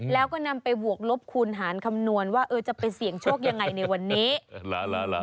แล้วก็นำไปบวกลบคูณหารคำนวณว่าเออจะไปเสี่ยงโชคยังไงในวันนี้